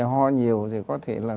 ho nhiều thì có thể là